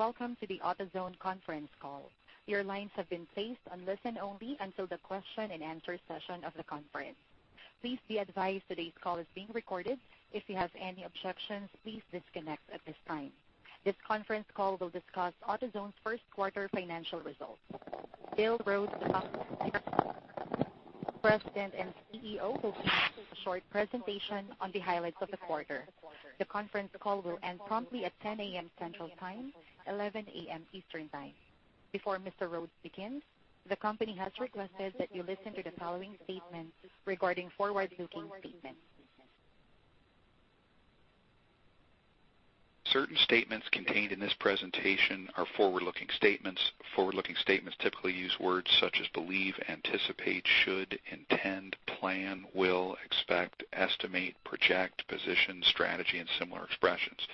Welcome to the AutoZone conference call. Your lines have been placed on listen-only until the question and answer session of the conference. Please be advised today's call is being recorded. If you have any objections, please disconnect at this time. This conference call will discuss AutoZone's first quarter financial results. Bill Rhodes, the company's President and CEO, will give a short presentation on the highlights of the quarter. The conference call will end promptly at 10:00 A.M. Central Time, 11:00 A.M. Eastern Time. Before Mr. Rhodes begins, the company has requested that you listen to the following statement regarding forward-looking statements. Certain statements contained in this presentation are forward-looking statements. Forward-looking statements typically use words such as believe, anticipate, should, intend, plan, will, expect, estimate, project, position, strategy, and similar expressions.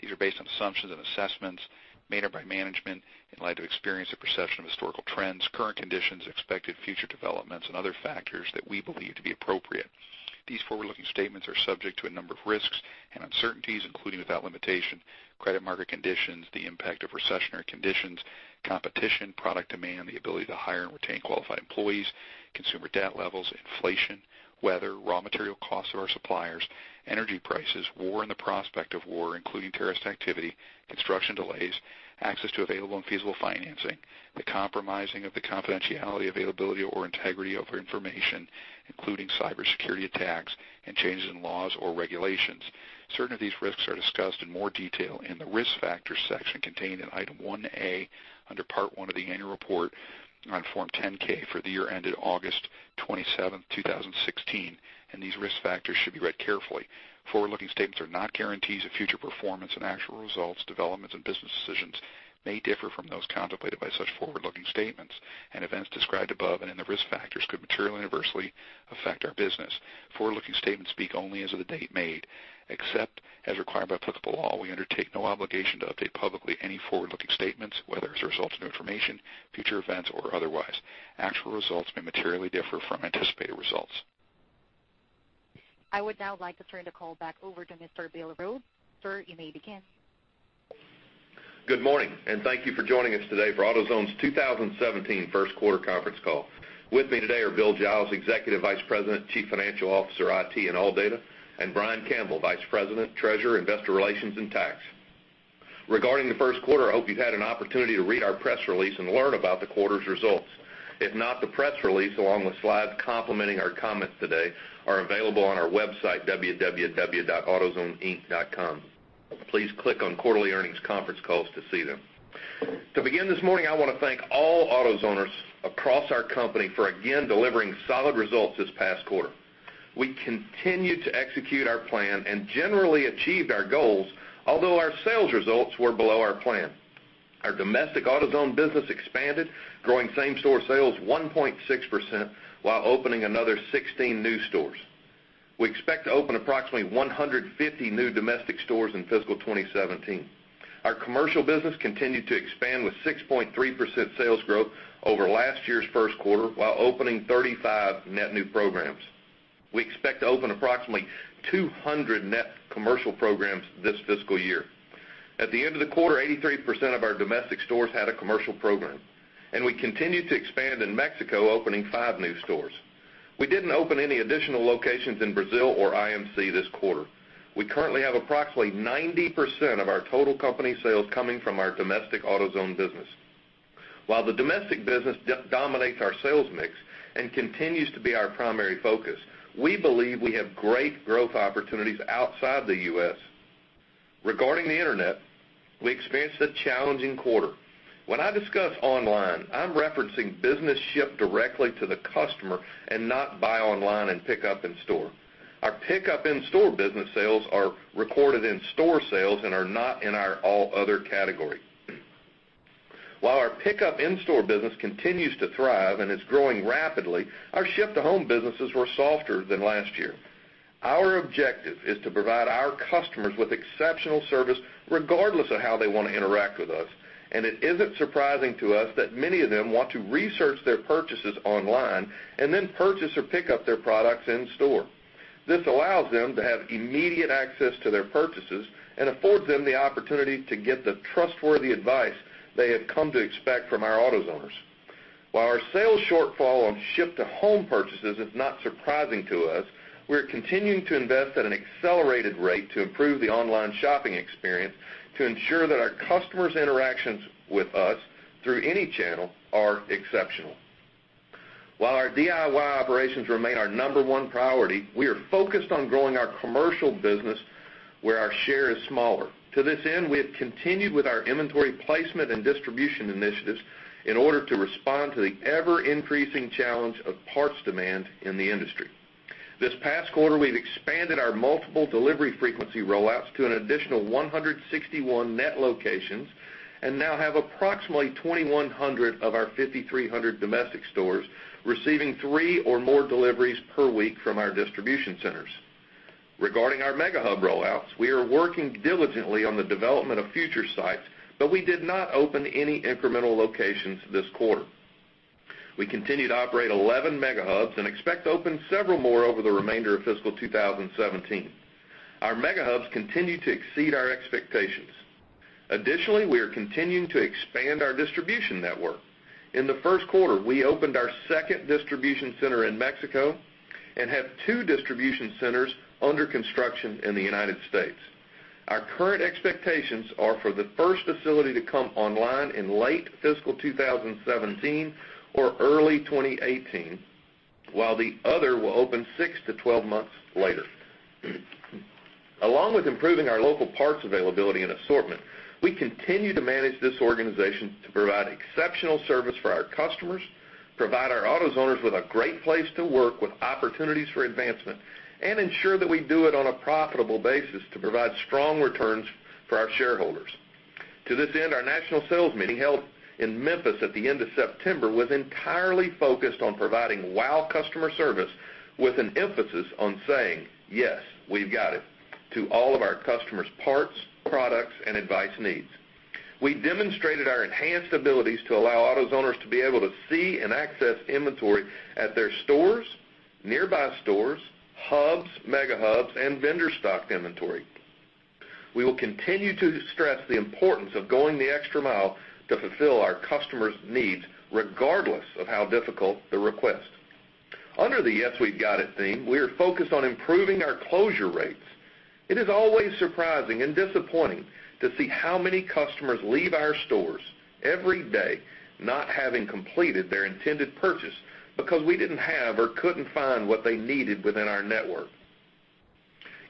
These are based on assumptions and assessments made by management in light of experience and perception of historical trends, current conditions, expected future developments, and other factors that we believe to be appropriate. These forward-looking statements are subject to a number of risks and uncertainties, including, without limitation, credit market conditions, the impact of recessionary conditions, competition, product demand, the ability to hire and retain qualified employees, consumer debt levels, inflation, weather, raw material costs of our suppliers, energy prices, war and the prospect of war, including terrorist activity, construction delays, access to available and feasible financing, the compromising of the confidentiality, availability, or integrity of our information, including cybersecurity attacks, and changes in laws or regulations. Certain of these risks are discussed in more detail in the Risk Factors section contained in Item 1A under Part One of the annual report on Form 10-K for the year ended August 27th, 2016, these risk factors should be read carefully. Forward-looking statements are not guarantees of future performance, actual results, developments, and business decisions may differ from those contemplated by such forward-looking statements, events described above and in the risk factors could materially adversely affect our business. Forward-looking statements speak only as of the date made. Except as required by applicable law, we undertake no obligation to update publicly any forward-looking statements, whether as a result of new information, future events, or otherwise. Actual results may materially differ from anticipated results. I would now like to turn the call back over to Mr. Bill Rhodes. Sir, you may begin. Good morning. Thank you for joining us today for AutoZone's 2017 first quarter conference call. With me today are Bill Giles, Executive Vice President, Chief Financial Officer, IT, and ALLDATA, and Brian Campbell, Vice President, Treasurer, Investor Relations, and Tax. Regarding the first quarter, I hope you've had an opportunity to read our press release and learn about the quarter's results. If not, the press release, along with slides complementing our comments today, are available on our website, www.autozoneinc.com. Please click on Quarterly Earnings Conference Calls to see them. To begin this morning, I want to thank all AutoZoners across our company for again delivering solid results this past quarter. We continued to execute our plan and generally achieved our goals, although our sales results were below our plan. Our domestic AutoZone business expanded, growing same-store sales 1.6% while opening another 16 new stores. We expect to open approximately 150 new domestic stores in fiscal 2017. Our commercial business continued to expand with 6.3% sales growth over last year's first quarter while opening 35 net new programs. We expect to open approximately 200 net commercial programs this fiscal year. At the end of the quarter, 83% of our domestic stores had a commercial program. We continued to expand in Mexico, opening five new stores. We didn't open any additional locations in Brazil or IMC this quarter. We currently have approximately 90% of our total company sales coming from our domestic AutoZone business. While the domestic business dominates our sales mix and continues to be our primary focus, we believe we have great growth opportunities outside the U.S. Regarding the Internet, we experienced a challenging quarter. When I discuss online, I'm referencing business shipped directly to the customer and not buy online and pick up in store. Our pick up in-store business sales are recorded in store sales and are not in our all other category. While our pick up in-store business continues to thrive and is growing rapidly, our ship to home businesses were softer than last year. Our objective is to provide our customers with exceptional service regardless of how they want to interact with us, and it isn't surprising to us that many of them want to research their purchases online and then purchase or pick up their products in store. This allows them to have immediate access to their purchases and affords them the opportunity to get the trustworthy advice they have come to expect from our AutoZoners. While our sales shortfall on ship to home purchases is not surprising to us, we're continuing to invest at an accelerated rate to improve the online shopping experience to ensure that our customers' interactions with us, through any channel, are exceptional. While our DIY operations remain our number one priority, we are focused on growing our commercial business where our share is smaller. To this end, we have continued with our inventory placement and distribution initiatives in order to respond to the ever-increasing challenge of parts demand in the industry. This past quarter, we've expanded our multiple delivery frequency rollouts to an additional 161 net locations and now have approximately 2,100 of our 5,300 domestic stores receiving three or more deliveries per week from our distribution centers. Regarding our Mega Hub rollouts, we are working diligently on the development of future sites, but we did not open any incremental locations this quarter. We continue to operate 11 Mega Hubs and expect to open several more over the remainder of fiscal 2017. Our Mega Hubs continue to exceed our expectations. Additionally, we are continuing to expand our distribution network. In the first quarter, we opened our second distribution center in Mexico and have two distribution centers under construction in the United States. Our current expectations are for the first facility to come online in late fiscal 2017 or early 2018, while the other will open six to 12 months later. Along with improving our local parts availability and assortment, we continue to manage this organization to provide exceptional service for our customers, provide our AutoZoners with a great place to work with opportunities for advancement, and ensure that we do it on a profitable basis to provide strong returns for our shareholders. To this end, our national sales meeting held in Memphis at the end of September was entirely focused on providing wow customer service with an emphasis on saying, "Yes, We've Got It" to all of our customers' parts, products, and advice needs. We demonstrated our enhanced abilities to allow AutoZoners to be able to see and access inventory at their stores, nearby stores, hubs, Mega Hubs, and vendor-stocked inventory. We will continue to stress the importance of going the extra mile to fulfill our customers' needs, regardless of how difficult the request. Under the Yes, We've Got It theme, we are focused on improving our closure rates. It is always surprising and disappointing to see how many customers leave our stores every day not having completed their intended purchase because we didn't have or couldn't find what they needed within our network.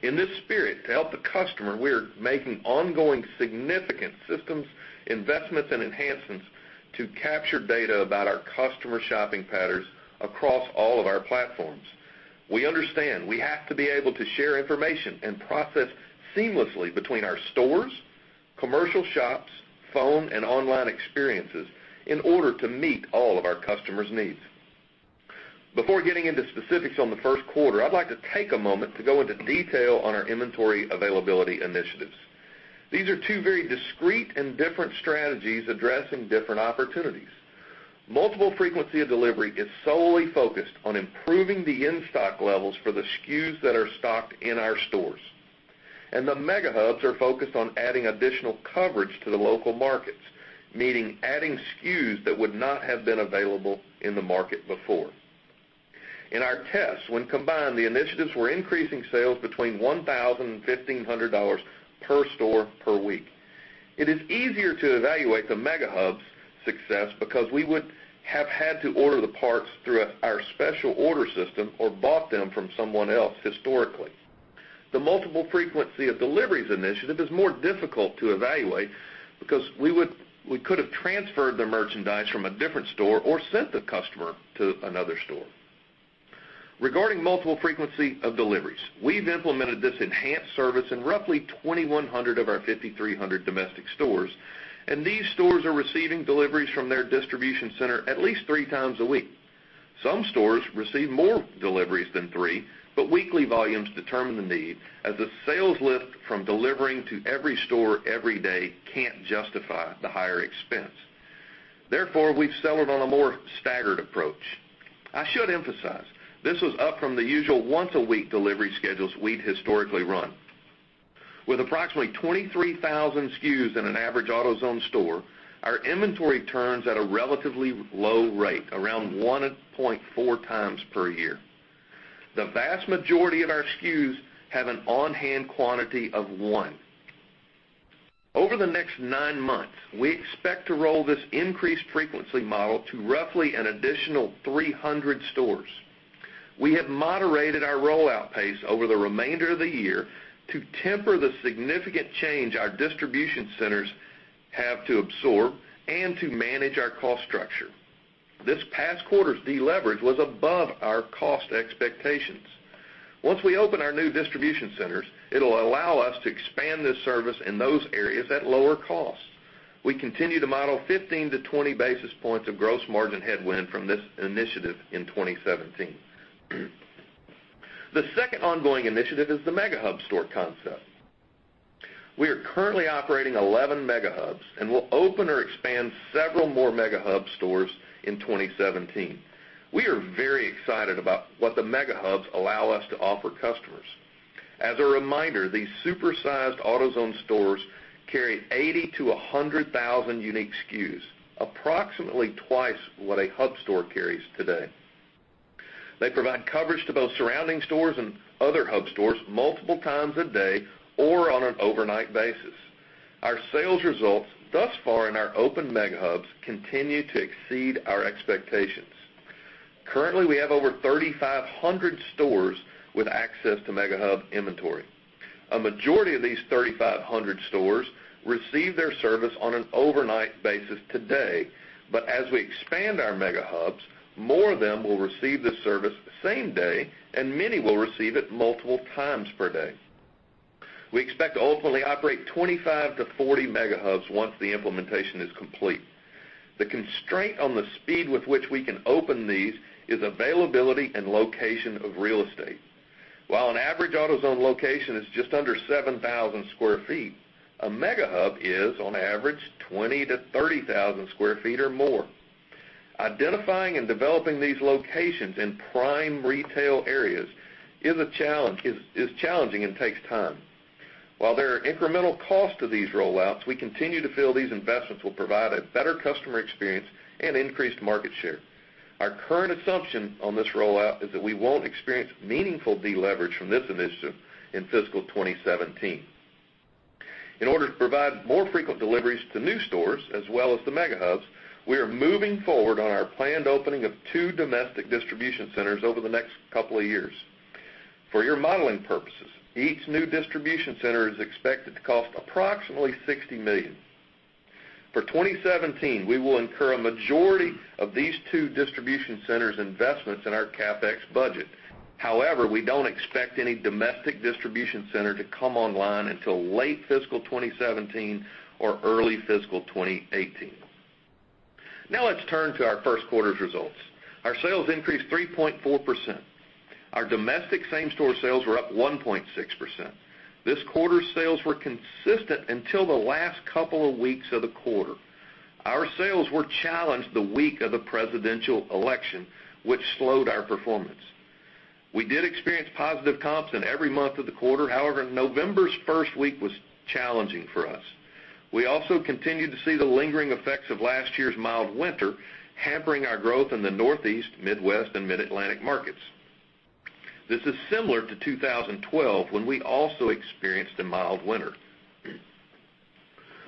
In this spirit, to help the customer, we are making ongoing significant systems investments and enhancements to capture data about our customer shopping patterns across all of our platforms. We understand we have to be able to share information and process seamlessly between our stores, commercial shops, phone, and online experiences in order to meet all of our customers' needs. Before getting into specifics on the first quarter, I'd like to take a moment to go into detail on our inventory availability initiatives. These are two very discreet and different strategies addressing different opportunities. Multiple frequency of delivery is solely focused on improving the in-stock levels for the SKUs that are stocked in our stores. The Mega Hubs are focused on adding additional coverage to the local markets, meaning adding SKUs that would not have been available in the market before. In our tests, when combined, the initiatives were increasing sales between $1,000 and $1,500 per store per week. It is easier to evaluate the Mega Hubs' success because we would have had to order the parts through our special order system or bought them from someone else historically. The multiple frequency of deliveries initiative is more difficult to evaluate because we could have transferred the merchandise from a different store or sent the customer to another store. Regarding multiple frequency of deliveries, we've implemented this enhanced service in roughly 2,100 of our 5,300 domestic stores. These stores are receiving deliveries from their distribution center at least three times a week. Some stores receive more deliveries than three, weekly volumes determine the need, as the sales lift from delivering to every store every day can't justify the higher expense. Therefore, we've settled on a more staggered approach. I should emphasize, this is up from the usual once-a-week delivery schedules we'd historically run. With approximately 23,000 SKUs in an average AutoZone store, our inventory turns at a relatively low rate, around 1.4 times per year. The vast majority of our SKUs have an on-hand quantity of one. Over the next nine months, we expect to roll this increased frequency model to roughly an additional 300 stores. We have moderated our rollout pace over the remainder of the year to temper the significant change our distribution centers have to absorb and to manage our cost structure. This past quarter's deleverage was above our cost expectations. Once we open our new distribution centers, it'll allow us to expand this service in those areas at lower costs. We continue to model 15 to 20 basis points of gross margin headwind from this initiative in 2017. The second ongoing initiative is the Mega Hub store concept. We are currently operating 11 Mega Hubs and will open or expand several more Mega Hub stores in 2017. We are very excited about what the Mega Hubs allow us to offer customers. As a reminder, these super-sized AutoZone stores carry 80,000 to 100,000 unique SKUs, approximately twice what a hub store carries today. They provide coverage to both surrounding stores and other hub stores multiple times a day or on an overnight basis. Our sales results thus far in our open Mega Hubs continue to exceed our expectations. Currently, we have over 3,500 stores with access to Mega Hub inventory. A majority of these 3,500 stores receive their service on an overnight basis today. As we expand our Mega Hubs, more of them will receive the service same day, and many will receive it multiple times per day. We expect to ultimately operate 25 to 40 Mega Hubs once the implementation is complete. The constraint on the speed with which we can open these is availability and location of real estate. While an average AutoZone location is just under 7,000 sq ft, a Mega Hub is, on average, 20,000 to 30,000 sq ft or more. Identifying and developing these locations in prime retail areas is challenging and takes time. While there are incremental costs to these rollouts, we continue to feel these investments will provide a better customer experience and increased market share. Our current assumption on this rollout is that we won't experience meaningful deleverage from this initiative in fiscal 2017. In order to provide more frequent deliveries to new stores as well as the Mega Hubs, we are moving forward on our planned opening of two domestic distribution centers over the next couple of years. For your modeling purposes, each new distribution center is expected to cost approximately $60 million. For 2017, we will incur a majority of these two distribution centers' investments in our CapEx budget. However, we don't expect any domestic distribution center to come online until late fiscal 2017 or early fiscal 2018. Now let's turn to our first quarter's results. Our sales increased 3.4%. Our domestic same-store sales were up 1.6%. This quarter's sales were consistent until the last couple of weeks of the quarter. Our sales were challenged the week of the presidential election, which slowed our performance. We did experience positive comps in every month of the quarter. November's first week was challenging for us. We also continued to see the lingering effects of last year's mild winter, hampering our growth in the Northeast, Midwest, and Mid-Atlantic markets. This is similar to 2012, when we also experienced a mild winter.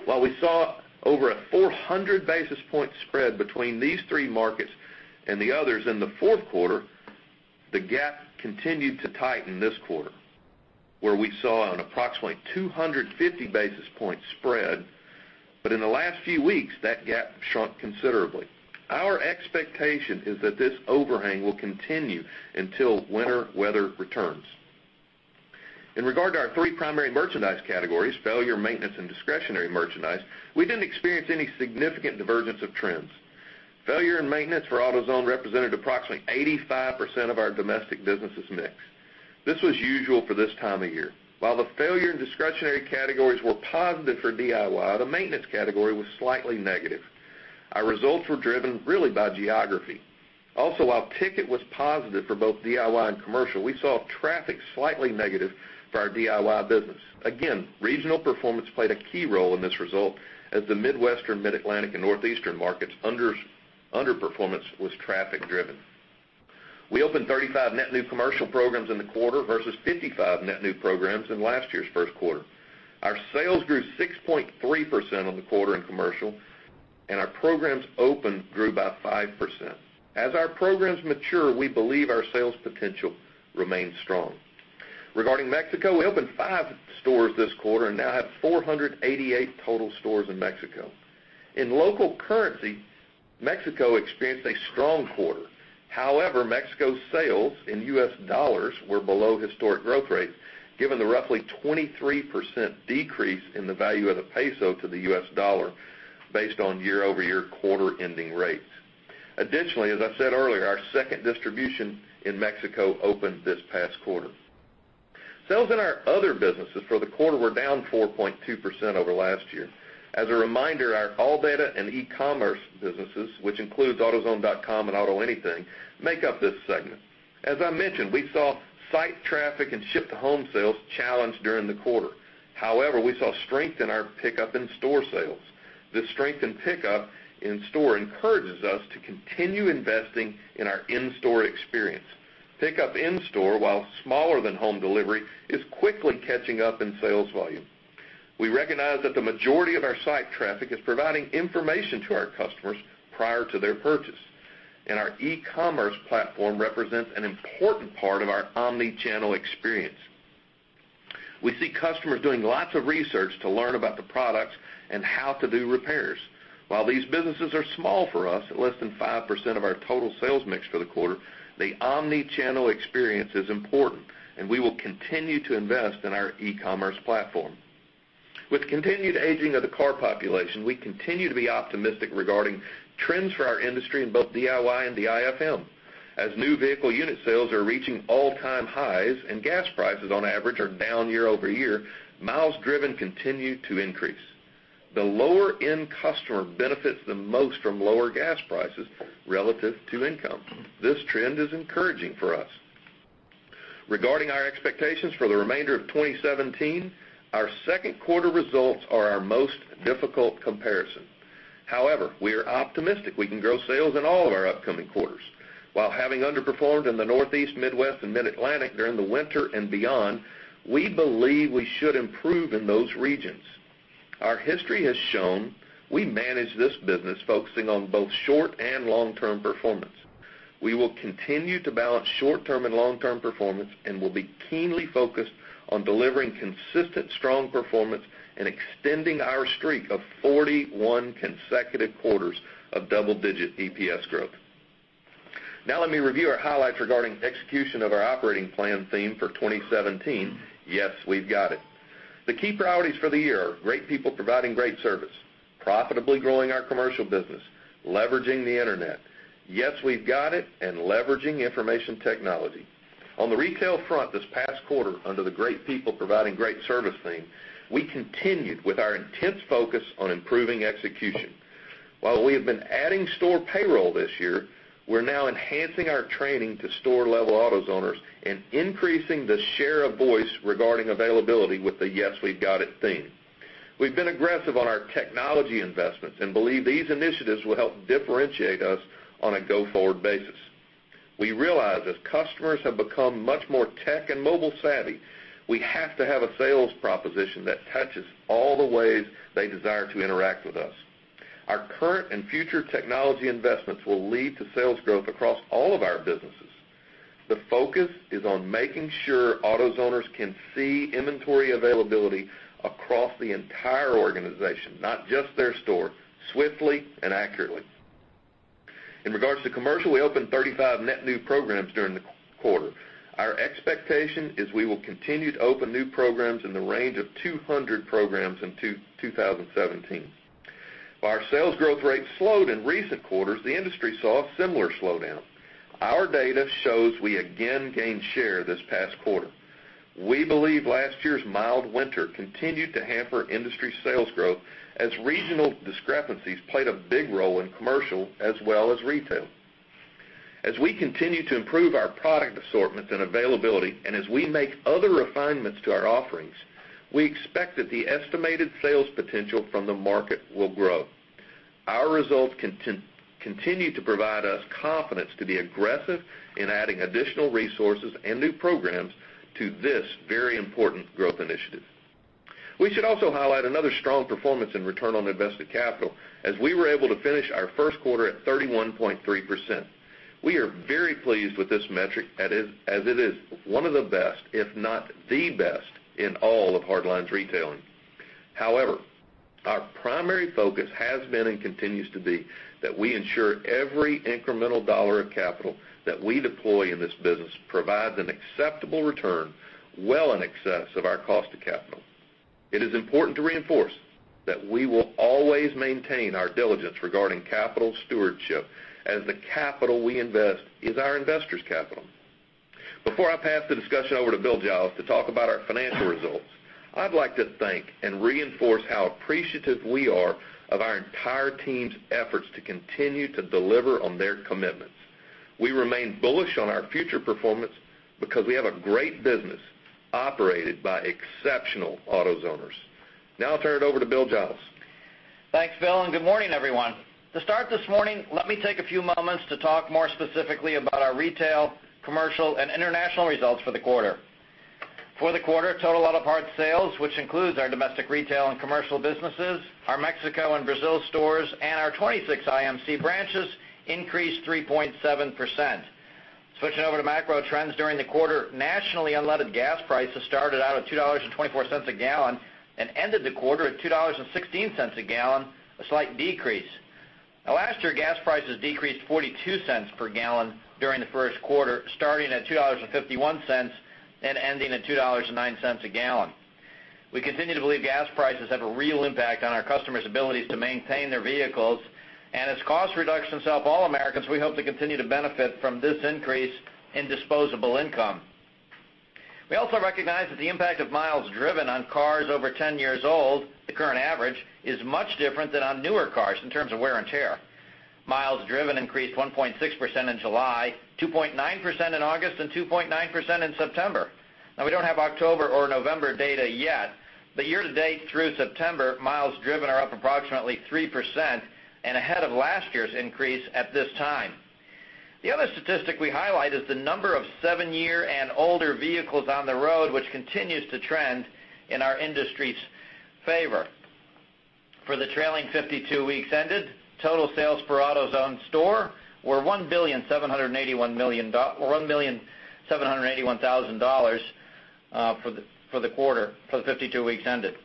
While we saw over a 400-basis-point spread between these three markets and the others in the fourth quarter, the gap continued to tighten this quarter, where we saw an approximately 250-basis-point spread. In the last few weeks, that gap shrunk considerably. Our expectation is that this overhang will continue until winter weather returns. In regard to our three primary merchandise categories, failure, maintenance, and discretionary merchandise, we didn't experience any significant divergence of trends. Failure and maintenance for AutoZone represented approximately 85% of our domestic business's mix. This was usual for this time of year. While the failure and discretionary categories were positive for DIY, the maintenance category was slightly negative. Our results were driven really by geography. While ticket was positive for both DIY and commercial, we saw traffic slightly negative for our DIY business. Again, regional performance played a key role in this result, as the Midwestern, Mid-Atlantic, and Northeastern markets underperformance was traffic driven. We opened 35 net new commercial programs in the quarter versus 55 net new programs in last year's first quarter. Our sales grew 6.3% on the quarter in commercial, and our programs opened grew by 5%. As our programs mature, we believe our sales potential remains strong. Regarding Mexico, we opened five stores this quarter and now have 488 total stores in Mexico. In local currency, Mexico experienced a strong quarter. Mexico's sales in US dollars were below historic growth rates, given the roughly 23% decrease in the value of the peso to the US dollar based on year-over-year quarter-ending rates. Additionally, as I said earlier, our second distribution in Mexico opened this past quarter. Sales in our other businesses for the quarter were down 4.2% over last year. As a reminder, our ALLDATA and e-commerce businesses, which includes AutoZone.com and AutoAnything, make up this segment. As I mentioned, we saw site traffic and ship-to-home sales challenged during the quarter. We saw strength in our pickup in-store sales. This strength in pickup in store encourages us to continue investing in our in-store experience. Pickup in store, while smaller than home delivery, is quickly catching up in sales volume. We recognize that the majority of our site traffic is providing information to our customers prior to their purchase. Our e-commerce platform represents an important part of our omni-channel experience. We see customers doing lots of research to learn about the products and how to do repairs. While these businesses are small for us, at less than 5% of our total sales mix for the quarter, the omni-channel experience is important, and we will continue to invest in our e-commerce platform. With continued aging of the car population, we continue to be optimistic regarding trends for our industry in both DIY and DIFM. As new vehicle unit sales are reaching all-time highs and gas prices on average are down year-over-year, miles driven continue to increase. The lower-end customer benefits the most from lower gas prices relative to income. This trend is encouraging for us. Regarding our expectations for the remainder of 2017, our second quarter results are our most difficult comparison. However, we are optimistic we can grow sales in all of our upcoming quarters. While having underperformed in the Northeast, Midwest, and Mid-Atlantic during the winter and beyond, we believe we should improve in those regions. Our history has shown we manage this business focusing on both short- and long-term performance. We will continue to balance short-term and long-term performance and will be keenly focused on delivering consistent strong performance and extending our streak of 41 consecutive quarters of double-digit EPS growth. Now let me review our highlights regarding execution of our operating plan theme for 2017: Yes, We've Got It. The key priorities for the year are great people providing great service, profitably growing our commercial business, leveraging the internet, Yes We've Got It, and leveraging information technology. On the retail front this past quarter, under the great people providing great service theme, we continued with our intense focus on improving execution. While we have been adding store payroll this year, we're now enhancing our training to store-level AutoZoners and increasing the share of voice regarding availability with the Yes We've Got It theme. We've been aggressive on our technology investments and believe these initiatives will help differentiate us on a go-forward basis. We realize as customers have become much more tech and mobile savvy, we have to have a sales proposition that touches all the ways they desire to interact with us. Our current and future technology investments will lead to sales growth across all of our businesses. The focus is on making sure AutoZoners can see inventory availability across the entire organization, not just their store, swiftly and accurately. In regards to commercial, we opened 35 net new programs during the quarter. Our expectation is we will continue to open new programs in the range of 200 programs in 2017. While our sales growth rate slowed in recent quarters, the industry saw a similar slowdown. Our data shows we again gained share this past quarter. We believe last year's mild winter continued to hamper industry sales growth as regional discrepancies played a big role in commercial as well as retail. As we continue to improve our product assortments and availability, and as we make other refinements to our offerings, we expect that the estimated sales potential from the market will grow. Our results continue to provide us confidence to be aggressive in adding additional resources and new programs to this very important growth initiative. We should also highlight another strong performance in return on invested capital, as we were able to finish our first quarter at 31.3%. We are very pleased with this metric, as it is one of the best, if not the best, in all of hardlines retailing. However, our primary focus has been and continues to be that we ensure every incremental dollar of capital that we deploy in this business provides an acceptable return well in excess of our cost of capital. It is important to reinforce that we will always maintain our diligence regarding capital stewardship, as the capital we invest is our investors' capital. Before I pass the discussion over to Bill Giles to talk about our financial results, I would like to thank and reinforce how appreciative we are of our entire team's efforts to continue to deliver on their commitments. We remain bullish on our future performance because we have a great business operated by exceptional AutoZoners. I will turn it over to Bill Giles. Thanks, Bill, and good morning, everyone. To start this morning, let me take a few moments to talk more specifically about our retail, commercial, and international results for the quarter. For the quarter, total auto parts sales, which includes our domestic retail and commercial businesses, our Mexico and Brazil stores, and our 26 IMC branches, increased 3.7%. Switching over to macro trends during the quarter, nationally, unleaded gas prices started out at $2.24 a gallon and ended the quarter at $2.16 a gallon, a slight decrease. Last year, gas prices decreased $0.42 per gallon during the first quarter, starting at $2.51 and ending at $2.09 a gallon. We continue to believe gas prices have a real impact on our customers' abilities to maintain their vehicles, and as cost reductions help all Americans, we hope to continue to benefit from this increase in disposable income. We also recognize that the impact of miles driven on cars over 10 years old, the current average, is much different than on newer cars in terms of wear and tear. Miles driven increased 1.6% in July, 2.9% in August, and 2.9% in September. We do not have October or November data yet, but year to date through September, miles driven are up approximately 3% and ahead of last year's increase at this time. The other statistic we highlight is the number of 7-year and older vehicles on the road, which continues to trend in our industry's favor. For the trailing 52 weeks ended, total sales for AutoZone store were $1,781,000 for the quarter, for the 52 weeks ended.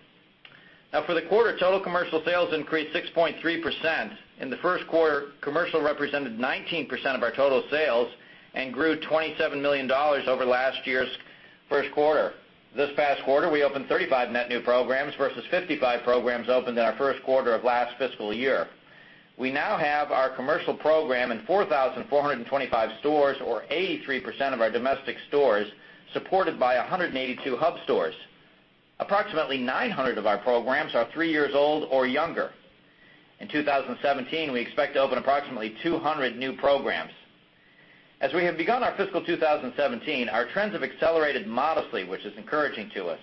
For the quarter, total commercial sales increased 6.3%. In the first quarter, commercial represented 19% of our total sales and grew $27 million over last year's first quarter. This past quarter, we opened 35 net new programs versus 55 programs opened in our first quarter of fiscal last year. We now have our commercial program in 4,425 stores, or 83% of our domestic stores, supported by 182 hub stores. Approximately 900 of our programs are 3 years old or younger. In 2017, we expect to open approximately 200 new programs. As we have begun our fiscal 2017, our trends have accelerated modestly, which is encouraging to us.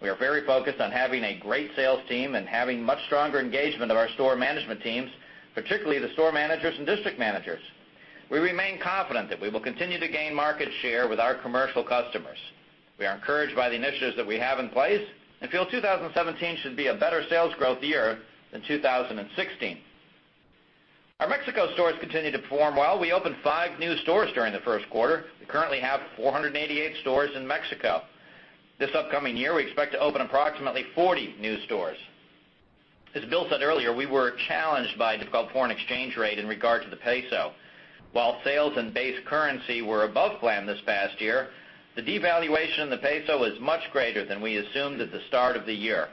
We are very focused on having a great sales team and having much stronger engagement of our store management teams, particularly the store managers and district managers. We remain confident that we will continue to gain market share with our commercial customers. We are encouraged by the initiatives that we have in place and feel 2017 should be a better sales growth year than 2016. Our Mexico stores continue to perform well. We opened 5 new stores during the first quarter, and currently have 488 stores in Mexico. This upcoming year, we expect to open approximately 40 new stores. As Bill said earlier, we were challenged by difficult foreign exchange rate in regard to the MXN. While sales and base currency were above plan this past year, the devaluation in the MXN was much greater than we assumed at the start of the year.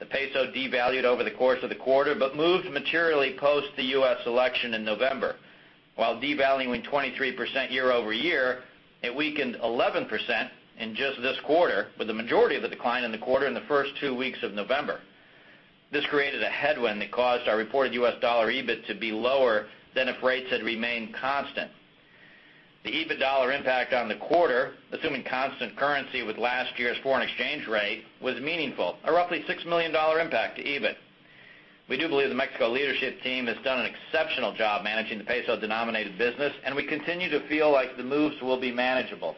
The MXN devalued over the course of the quarter but moved materially post the U.S. election in November. While devaluing 23% year-over-year, it weakened 11% in just this quarter, with the majority of the decline in the quarter in the first two weeks of November. This created a headwind that caused our reported U.S. dollar EBIT to be lower than if rates had remained constant. The EBIT dollar impact on the quarter, assuming constant currency with last year's foreign exchange rate, was meaningful, a roughly $6 million impact to EBIT. We do believe the Mexico leadership team has done an exceptional job managing the MXN-denominated business, and we continue to feel like the moves will be manageable.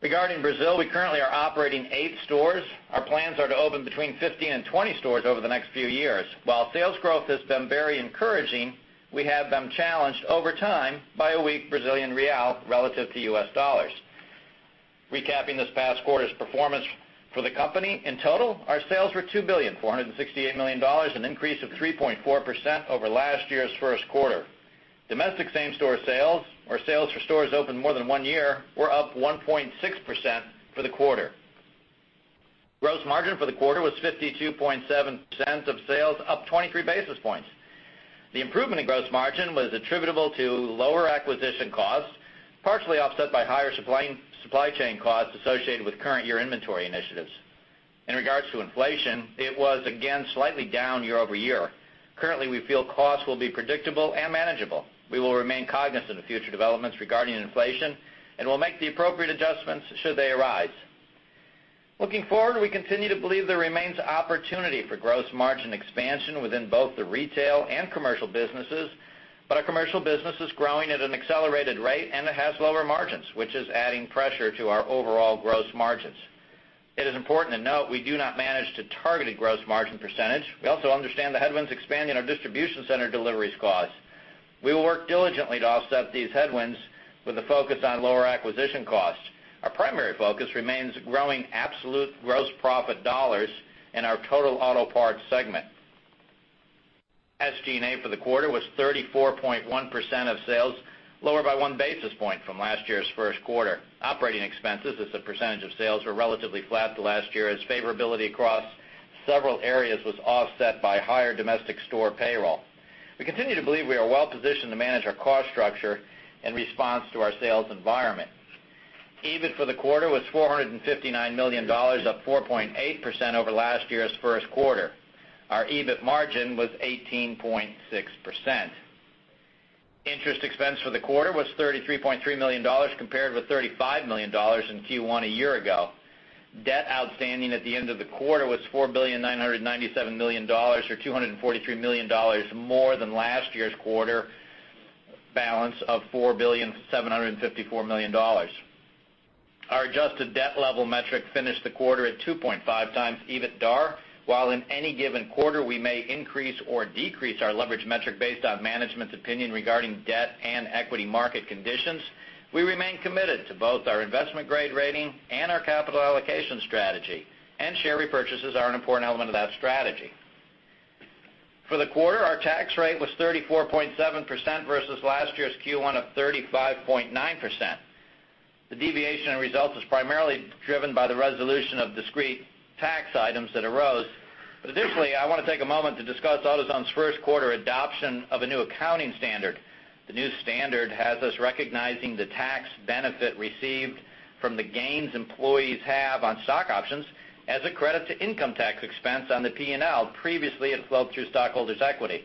Regarding Brazil, we currently are operating 8 stores. Our plans are to open between 15 and 20 stores over the next few years. While sales growth has been very encouraging, we have been challenged over time by a weak BRL relative to U.S. dollars. Recapping this past quarter's performance for the company, in total, our sales were $2,468,000,000, an increase of 3.4% over last year's first quarter. Domestic same-store sales or sales for stores open more than one year were up 1.6% for the quarter. Gross margin for the quarter was 52.7% of sales, up 23 basis points. The improvement in gross margin was attributable to lower acquisition costs, partially offset by higher supply chain costs associated with current year inventory initiatives. In regards to inflation, it was again slightly down year-over-year. Currently, we feel costs will be predictable and manageable. We will remain cognizant of future developments regarding inflation, and we'll make the appropriate adjustments should they arise. Looking forward, we continue to believe there remains opportunity for gross margin expansion within both the retail and commercial businesses, but our commercial business is growing at an accelerated rate, and it has lower margins, which is adding pressure to our overall gross margins. It is important to note we do not manage to target a gross margin percentage. We also understand the headwinds expanding our distribution center deliveries cost. We will work diligently to offset these headwinds with a focus on lower acquisition costs. Our primary focus remains growing absolute gross profit dollars in our total auto parts segment. SG&A for the quarter was 34.1% of sales, lower by one basis point from last year's first quarter. Operating expenses as a percentage of sales were relatively flat to last year, as favorability across several areas was offset by higher domestic store payroll. We continue to believe we are well-positioned to manage our cost structure in response to our sales environment. EBIT for the quarter was $459 million, up 4.8% over last year's first quarter. Our EBIT margin was 18.6%. Interest expense for the quarter was $33.3 million, compared with $35 million in Q1 a year ago. Debt outstanding at the end of the quarter was $4,997,000,000, or $243 million more than last year's quarter balance of $4,754,000,000. Our adjusted debt level metric finished the quarter at 2.5 times EBITDAR. While in any given quarter, we may increase or decrease our leverage metric based on management's opinion regarding debt and equity market conditions, we remain committed to both our investment-grade rating and our capital allocation strategy. Share repurchases are an important element of that strategy. For the quarter, our tax rate was 34.7% versus last year's Q1 of 35.9%. The deviation in results is primarily driven by the resolution of discrete tax items that arose. I want to take a moment to discuss AutoZone's first quarter adoption of a new accounting standard. The new standard has us recognizing the tax benefit received from the gains employees have on stock options as a credit to income tax expense on the P&L. Previously, it flowed through stockholders' equity.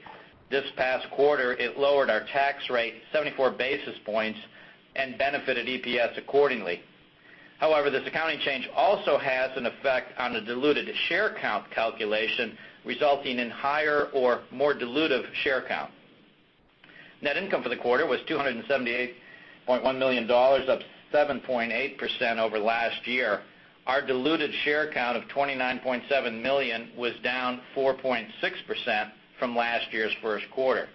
This past quarter, it lowered our tax rate 74 basis points and benefited EPS accordingly. This accounting change also has an effect on the diluted share count calculation, resulting in higher or more dilutive share count. Net income for the quarter was $278.1 million, up 7.8% over last year. Our diluted share count of 29.7 million was down 4.6% from last year's first quarter.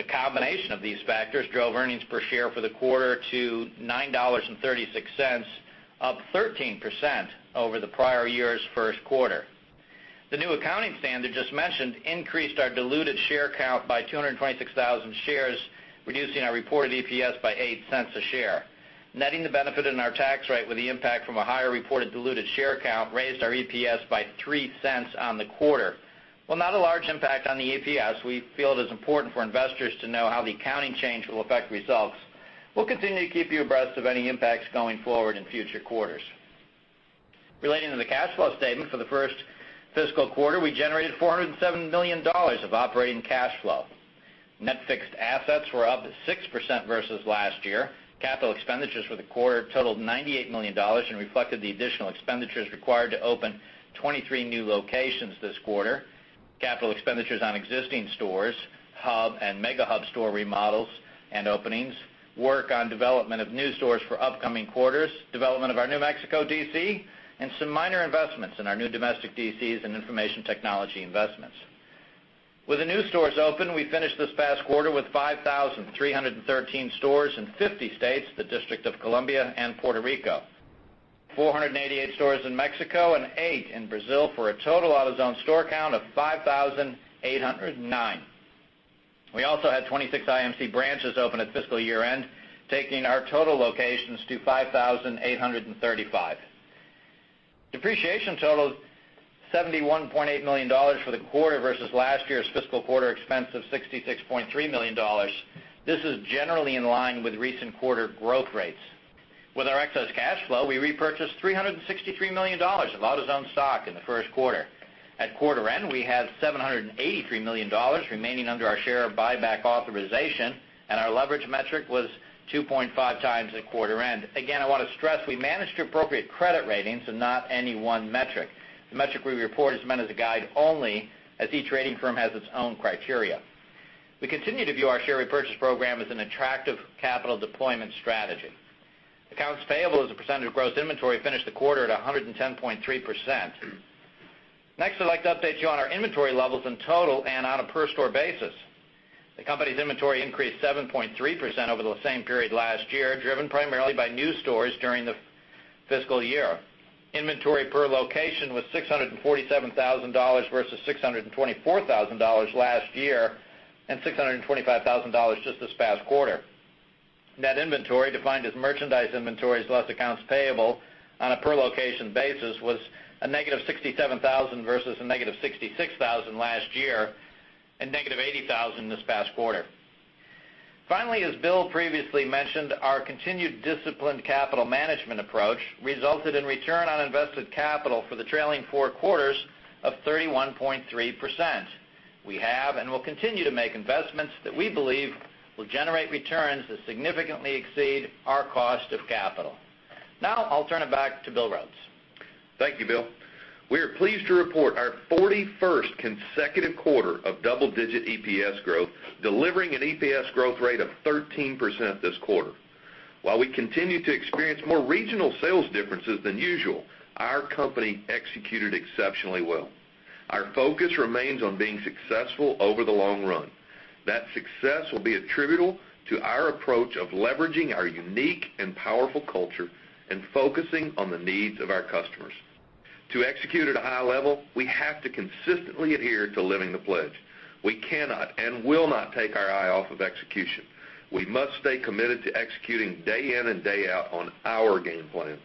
The combination of these factors drove earnings per share for the quarter to $9.36, up 13% over the prior year's first quarter. The new accounting standard just mentioned increased our diluted share count by 226,000 shares, reducing our reported EPS by $0.08 a share. Netting the benefit in our tax rate with the impact from a higher reported diluted share count raised our EPS by $0.03 on the quarter. While not a large impact on the EPS, we feel it is important for investors to know how the accounting change will affect results. We'll continue to keep you abreast of any impacts going forward in future quarters. Relating to the cash flow statement for the first fiscal quarter, we generated $407 million of operating cash flow. Net fixed assets were up 6% versus last year. Capital expenditures for the quarter totaled $98 million and reflected the additional expenditures required to open 23 new locations this quarter. Capital expenditures on existing stores, hub and Mega Hub store remodels and openings, work on development of new stores for upcoming quarters, development of our new Mexico DC, and some minor investments in our new domestic DCs and information technology investments. With the new stores open, we finished this past quarter with 5,313 stores in 50 states, the District of Columbia and Puerto Rico, 488 stores in Mexico and eight in Brazil for a total AutoZone store count of 5,809. We also had 26 IMC branches open at fiscal year-end, taking our total locations to 5,835. Depreciation totaled $71.8 million for the quarter versus last year's fiscal quarter expense of $66.3 million. This is generally in line with recent quarter growth rates. With our excess cash flow, we repurchased $363 million of AutoZone stock in the first quarter. At quarter end, we had $783 million remaining under our share buyback authorization, and our leverage metric was 2.5 times at quarter end. I want to stress, we manage to appropriate credit ratings and not any one metric. The metric we report is meant as a guide only, as each rating firm has its own criteria. We continue to view our share repurchase program as an attractive capital deployment strategy. Accounts payable as a percentage of gross inventory finished the quarter at 110.3%. Next, I'd like to update you on our inventory levels in total and on a per store basis. The company's inventory increased 7.3% over the same period last year, driven primarily by new stores during the fiscal year. Inventory per location was $647,000 versus $624,000 last year and $625,000 just this past quarter. Net inventory defined as merchandise inventories less accounts payable on a per-location basis was -$67,000 versus -$66,000 last year, and -$80,000 this past quarter. As Bill previously mentioned, our continued disciplined capital management approach resulted in return on invested capital for the trailing four quarters of 31.3%. We have and will continue to make investments that we believe will generate returns that significantly exceed our cost of capital. I'll turn it back to Bill Rhodes. Thank you, Bill. We are pleased to report our 41st consecutive quarter of double-digit EPS growth, delivering an EPS growth rate of 13% this quarter. While we continue to experience more regional sales differences than usual, our company executed exceptionally well. Our focus remains on being successful over the long run. That success will be attributable to our approach of leveraging our unique and powerful culture and focusing on the needs of our customers. To execute at a high level, we have to consistently adhere to Living the Pledge. We cannot and will not take our eye off of execution. We must stay committed to executing day in and day out on our game plan.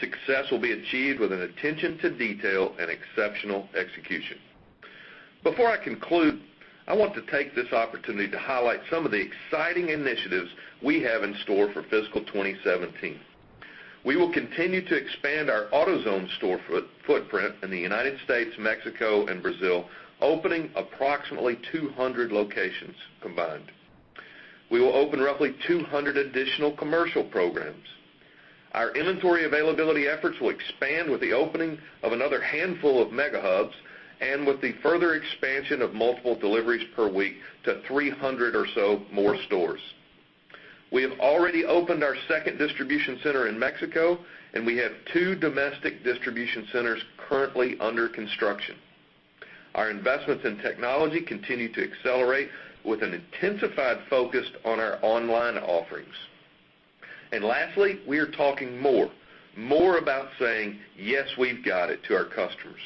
Success will be achieved with an attention to detail and exceptional execution. Before I conclude, I want to take this opportunity to highlight some of the exciting initiatives we have in store for fiscal 2017. We will continue to expand our AutoZone store footprint in the U.S., Mexico and Brazil, opening approximately 200 locations combined. We will open roughly 200 additional commercial programs. Our inventory availability efforts will expand with the opening of another handful of Mega Hubs and with the further expansion of multiple deliveries per week to 300 or so more stores. We have already opened our second distribution center in Mexico, and we have two domestic distribution centers currently under construction. Our investments in technology continue to accelerate with an intensified focus on our online offerings. Lastly, we are talking more. More about saying, "Yes, We've Got It" to our customers.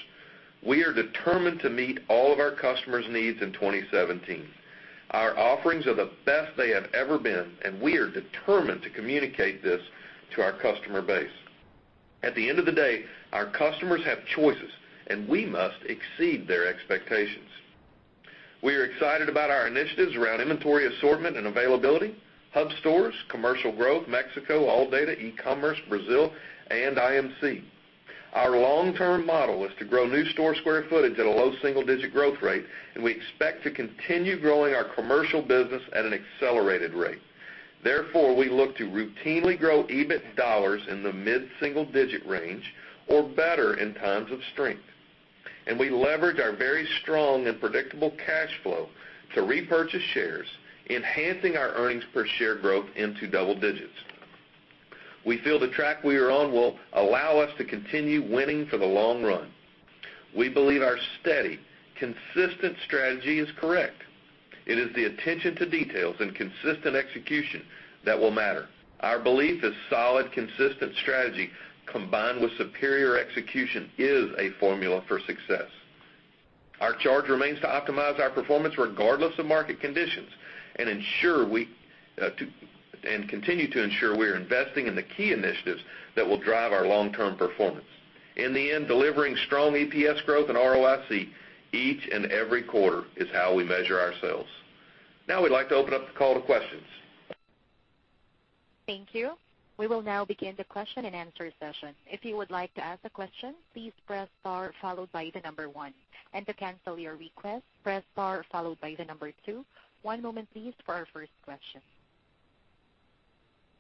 We are determined to meet all of our customers' needs in 2017. Our offerings are the best they have ever been, we are determined to communicate this to our customer base. At the end of the day, our customers have choices, and we must exceed their expectations. We are excited about our initiatives around inventory assortment and availability, hub stores, commercial growth, Mexico, ALLDATA, e-commerce, Brazil, and IMC. Our long-term model is to grow new store square footage at a low single-digit growth rate, and we expect to continue growing our commercial business at an accelerated rate. Therefore, we look to routinely grow EBIT dollars in the mid-single digit range or better in times of strength. We leverage our very strong and predictable cash flow to repurchase shares, enhancing our earnings per share growth into double digits. We feel the track we are on will allow us to continue winning for the long run. We believe our steady, consistent strategy is correct. It is the attention to details and consistent execution that will matter. Our belief is solid, consistent strategy combined with superior execution is a formula for success. Our charge remains to optimize our performance regardless of market conditions and continue to ensure we are investing in the key initiatives that will drive our long-term performance. In the end, delivering strong EPS growth and ROIC each and every quarter is how we measure ourselves. Now we'd like to open up the call to questions. Thank you. We will now begin the question and answer session. If you would like to ask a question, please press star followed by the number 1. To cancel your request, press star followed by the number 2. One moment please for our first question.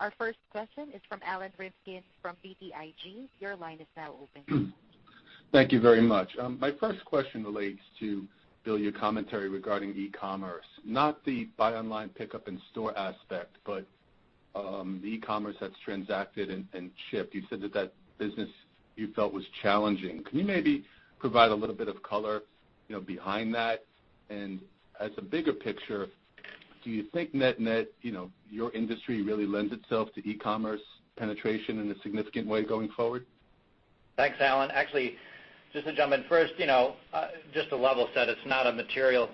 Our first question is from Alan Rifkin from BTIG. Your line is now open. Thank you very much. My first question relates to, Bill, your commentary regarding e-commerce, not the buy online pickup in store aspect, but the e-commerce that's transacted and shipped. You said that that business you felt was challenging. Can you maybe provide a little bit of color behind that? As a bigger picture, do you think net, your industry really lends itself to e-commerce penetration in a significant way going forward? Thanks, Alan. Actually, just to jump in first, just a level set, it's not a material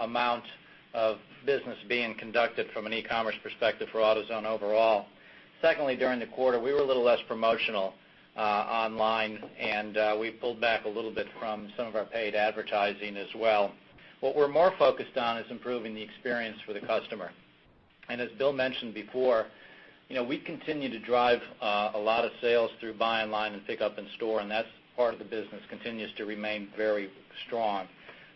amount of business being conducted from an e-commerce perspective for AutoZone overall. Secondly, during the quarter, we were a little less promotional online, and we pulled back a little bit from some of our paid advertising as well. What we're more focused on is improving the experience for the customer. As Bill mentioned before, we continue to drive a lot of sales through buy online and pickup in store, and that part of the business continues to remain very strong.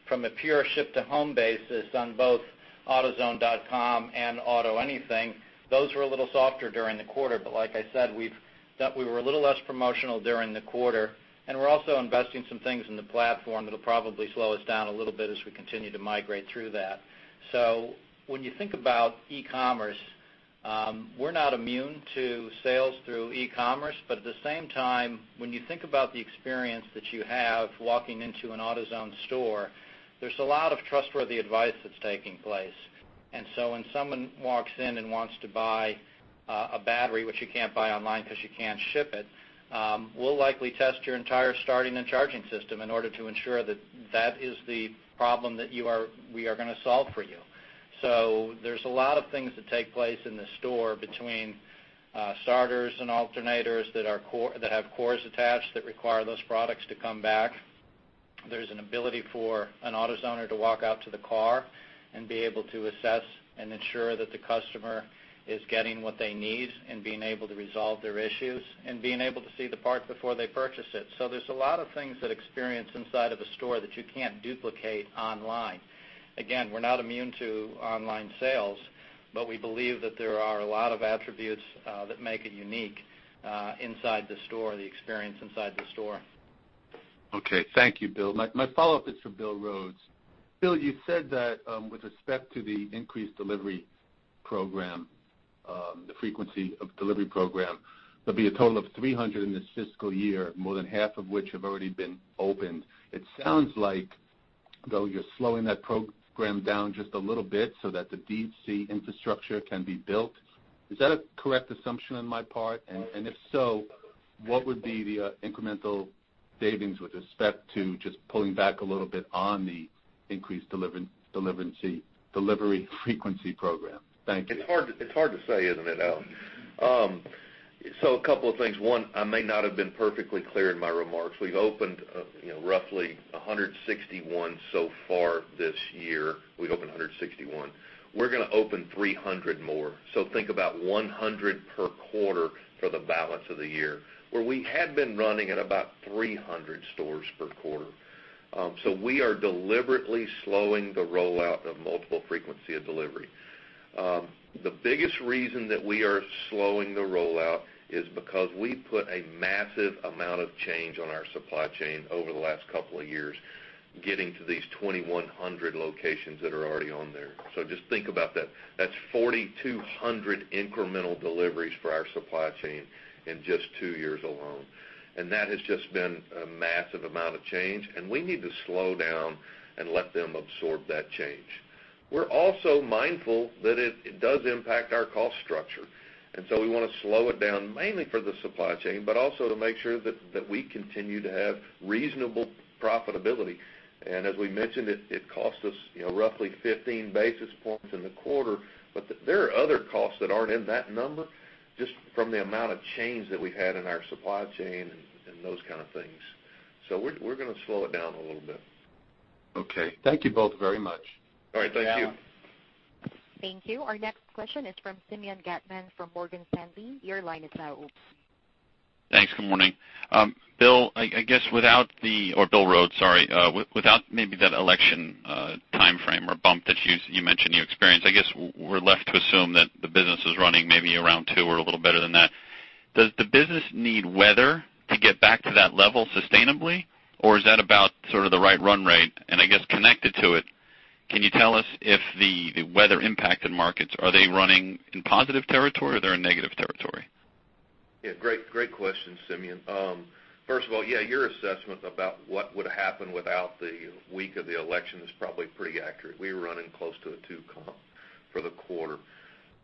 From a pure ship-to-home basis on both AutoZone.com and AutoAnything, those were a little softer during the quarter. Like I said, we were a little less promotional during the quarter, and we're also investing some things in the platform that'll probably slow us down a little bit as we continue to migrate through that. When you think about e-commerce, we're not immune to sales through e-commerce. At the same time, when you think about the experience that you have walking into an AutoZone store, there's a lot of trustworthy advice that's taking place. When someone walks in and wants to buy a battery, which you can't buy online because you can't ship it, we'll likely test your entire starting and charging system in order to ensure that that is the problem that we are going to solve for you. There's a lot of things that take place in the store between starters and alternators that have cores attached that require those products to come back. There's an ability for an AutoZoner to walk out to the car and be able to assess and ensure that the customer is getting what they need and being able to resolve their issues and being able to see the part before they purchase it. There's a lot of things that experience inside of a store that you can't duplicate online. Again, we're not immune to online sales, but we believe that there are a lot of attributes that make it unique inside the store, the experience inside the store. Okay. Thank you, Bill. My follow-up is for Bill Rhodes. Bill, you said that with respect to the increased delivery program, the frequency of delivery program, there'll be a total of 300 in this fiscal year, more than half of which have already been opened. It sounds like, though, you're slowing that program down just a little bit so that the DC infrastructure can be built. Is that a correct assumption on my part? If so, what would be the incremental savings with respect to just pulling back a little bit on the increased delivery frequency program? Thank you. It's hard to say, isn't it, Alan Rifkin? A couple of things. One, I may not have been perfectly clear in my remarks. We've opened roughly 161 so far this year. We've opened 161. We're going to open 300 more, think about 100 per quarter for the balance of the year, where we had been running at about 300 stores per quarter. We are deliberately slowing the rollout of multiple frequency of delivery. The biggest reason that we are slowing the rollout is because we put a massive amount of change on our supply chain over the last couple of years, getting to these 2,100 locations that are already on there. Just think about that. That's 4,200 incremental deliveries for our supply chain in just two years alone. That has just been a massive amount of change, and we need to slow down and let them absorb that change. We're also mindful that it does impact our cost structure, we want to slow it down mainly for the supply chain, but also to make sure that we continue to have reasonable profitability. As we mentioned, it costs us roughly 15 basis points in the quarter, but there are other costs that aren't in that number just from the amount of change that we've had in our supply chain and those kind of things. We're going to slow it down a little bit. Okay. Thank you both very much. All right. Thank you. Yeah. Thank you. Our next question is from Simeon Gutman from Morgan Stanley. Your line is now open. Thanks. Good morning. Bill, or Bill Rhodes, sorry. Without maybe that election timeframe or bump that you mentioned you experienced, I guess we're left to assume that the business is running maybe around two or a little better than that. Does the business need weather to get back to that level sustainably, or is that about sort of the right run rate? I guess connected to it, can you tell us if the weather-impacted markets, are they running in positive territory or are they in negative territory? Great question, Simeon. First of all, your assessment about what would happen without the week of the election is probably pretty accurate. We were running close to a two comp for the quarter.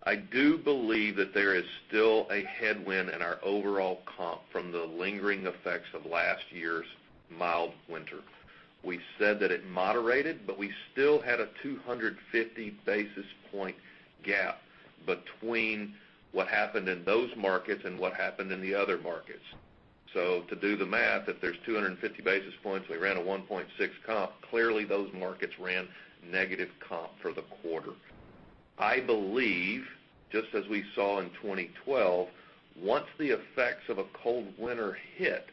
I do believe that there is still a headwind in our overall comp from the lingering effects of last year's mild winter. We said that it moderated, but we still had a 250 basis point gap between what happened in those markets and what happened in the other markets. To do the math, if there's 250 basis points, we ran a 1.6 comp. Clearly, those markets ran negative comp for the quarter. I believe, just as we saw in 2012, once the effects of a cold winter hit,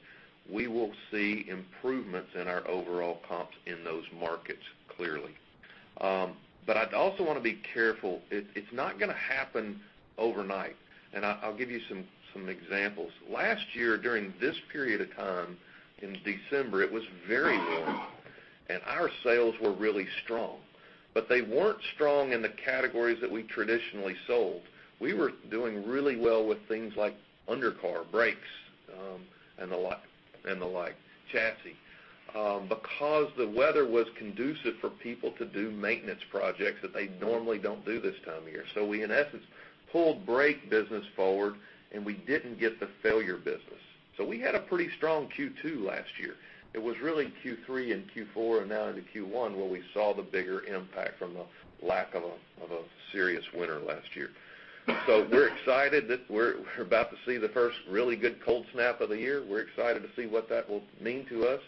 we will see improvements in our overall comps in those markets, clearly. I'd also want to be careful. It's not going to happen overnight, I'll give you some examples. Last year, during this period of time in December, it was very warm. Our sales were really strong, but they weren't strong in the categories that we traditionally sold. We were doing really well with things like undercar brakes and the like, chassis. Because the weather was conducive for people to do maintenance projects that they normally don't do this time of year. We, in essence, pulled brake business forward, and we didn't get the failure business. We had a pretty strong Q2 last year. It was really Q3 and Q4, and now into Q1, where we saw the bigger impact from the lack of a serious winter last year. We're excited that we're about to see the first really good cold snap of the year. We're excited to see what that will mean to us.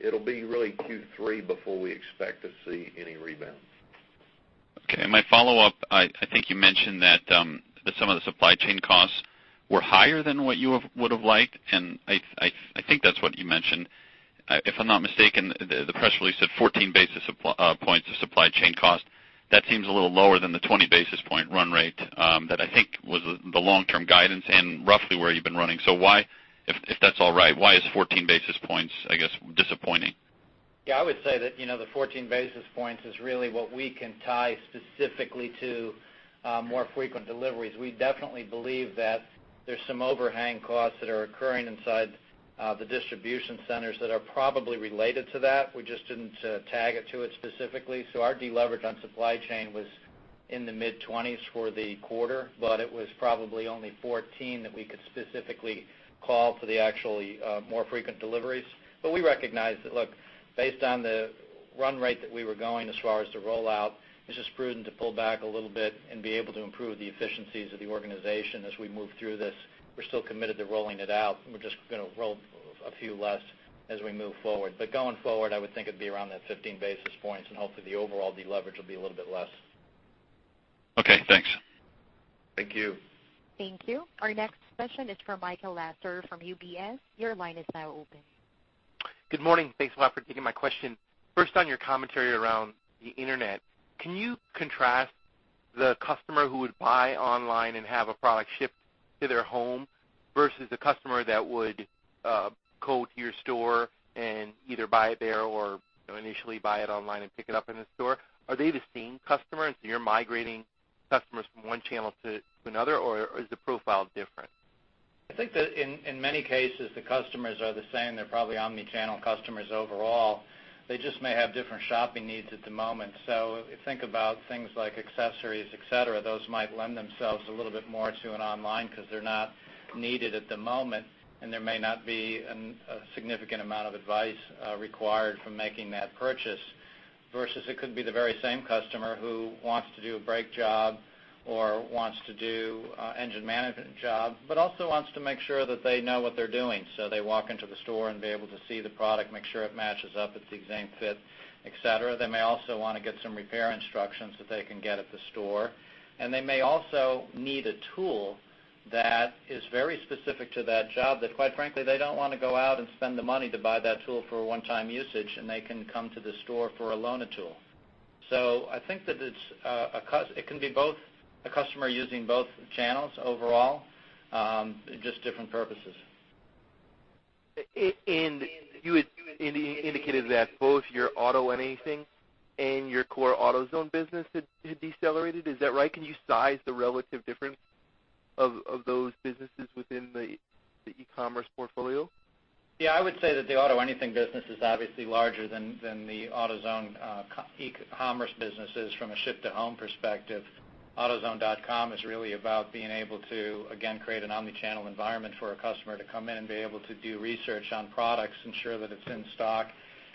It'll be really Q3 before we expect to see any rebound. Okay, my follow-up, I think you mentioned that some of the supply chain costs were higher than what you would've liked, and I think that's what you mentioned. If I'm not mistaken, the press release said 14 basis points of supply chain cost. That seems a little lower than the 20 basis point run rate that I think was the long-term guidance and roughly where you've been running. Why, if that's all right, why is 14 basis points, I guess, disappointing? Yeah, I would say that the 14 basis points is really what we can tie specifically to more frequent deliveries. We definitely believe that there's some overhang costs that are occurring inside the distribution centers that are probably related to that. We just didn't tag it to it specifically. Our deleverage on supply chain was in the mid-20s for the quarter, but it was probably only 14 that we could specifically call to the actually more frequent deliveries. We recognize that, look, based on the run rate that we were going as far as the rollout, it's just prudent to pull back a little bit and be able to improve the efficiencies of the organization as we move through this. We're still committed to rolling it out. We're just going to roll a few less as we move forward. Going forward, I would think it'd be around that 15 basis points, and hopefully the overall deleverage will be a little bit less. Okay, thanks. Thank you. Thank you. Our next question is from Michael Lasser from UBS. Your line is now open. Good morning. Thanks a lot for taking my question. First, on your commentary around the internet, can you contrast the customer who would buy online and have a product shipped to their home versus the customer that would go to your store and either buy it there or initially buy it online and pick it up in the store? Are they the same customer, and so you're migrating customers from one channel to another, or is the profile different? I think that in many cases, the customers are the same. They're probably omni-channel customers overall. They just may have different shopping needs at the moment. If you think about things like accessories, et cetera, those might lend themselves a little bit more to an online because they're not needed at the moment, and there may not be a significant amount of advice required for making that purchase. Versus it could be the very same customer who wants to do a brake job or wants to do an engine management job, but also wants to make sure that they know what they're doing. They walk into the store and be able to see the product, make sure it matches up, it's the exact fit, et cetera. They may also want to get some repair instructions that they can get at the store, and they may also need a tool that is very specific to that job that, quite frankly, they don't want to go out and spend the money to buy that tool for a one-time usage, and they can come to the store for a loaner tool. I think that it can be both a customer using both channels overall, just different purposes. You had indicated that both your AutoAnything and your core AutoZone business had decelerated. Is that right? Can you size the relative difference of those businesses within the e-commerce portfolio? Yeah, I would say that the AutoAnything business is obviously larger than the AutoZone e-commerce business is from a ship-to-home perspective. AutoZone.com is really about being able to, again, create an omni-channel environment for a customer to come in and be able to do research on products, ensure that it's in stock,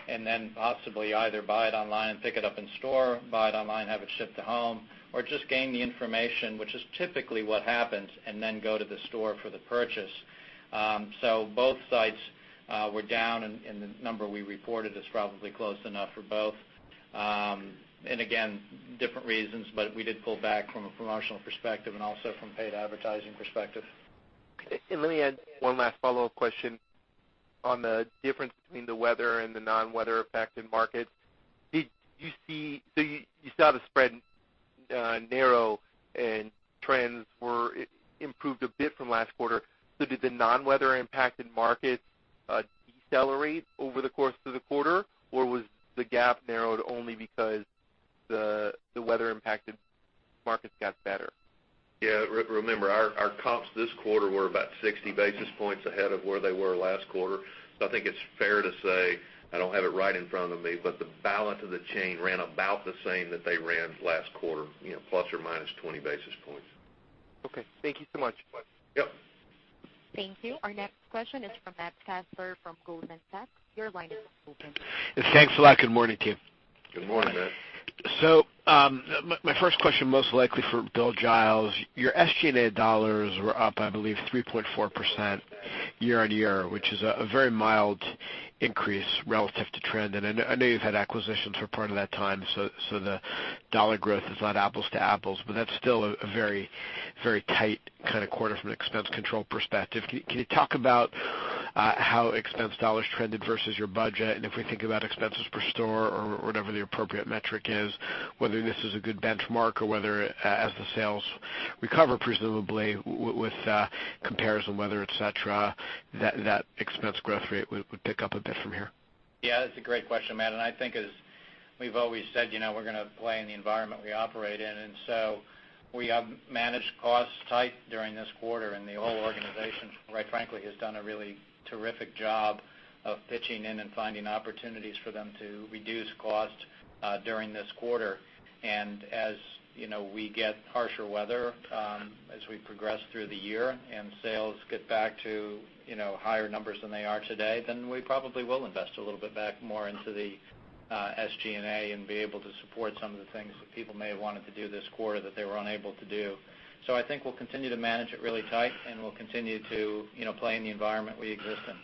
and then possibly either buy it online and pick it up in store, buy it online, have it shipped to home, or just gain the information, which is typically what happens, and then go to the store for the purchase. Both sites were down, and the number we reported is probably close enough for both. Again, different reasons, but we did pull back from a promotional perspective and also from paid advertising perspective. Let me add one last follow-up question on the difference between the weather and the non-weather effect in markets. You saw the spread narrow and trends were improved a bit from last quarter. Did the non-weather impacted markets decelerate over the course of the quarter, or was the gap narrowed only because the weather-impacted markets got better? Yeah, remember, our comps this quarter were about 60 basis points ahead of where they were last quarter. I think it's fair to say, I don't have it right in front of me, but the balance of the chain ran about the same that they ran last quarter, plus or minus 20 basis points. Okay. Thank you so much. Yep. Thank you. Our next question is from Matt Kaspar from Goldman Sachs. Your line is open. Yes, thanks a lot. Good morning, team. Good morning, Matt. My first question, most likely for Bill Giles. Your SG&A dollars were up, I believe, 3.4% year-on-year, which is a very mild increase relative to trend. I know you've had acquisitions for part of that time, so the dollar growth is not apples to apples, but that's still a very tight kind of quarter from an expense control perspective. Can you talk about how expense dollars trended versus your budget? If we think about expenses per store or whatever the appropriate metric is, whether this is a good benchmark or whether, as the sales recover, presumably with comparison weather, et cetera, that expense growth rate would pick up a bit from here. Yeah, that's a great question, Matt, and I think as we've always said, we're going to play in the environment we operate in. We have managed costs tight during this quarter, and the whole organization, quite frankly, has done a really terrific job of pitching in and finding opportunities for them to reduce cost during this quarter. As we get harsher weather as we progress through the year and sales get back to higher numbers than they are today, then we probably will invest a little bit back more into the SG&A and be able to support some of the things that people may have wanted to do this quarter that they were unable to do. I think we'll continue to manage it really tight, and we'll continue to play in the environment we exist in.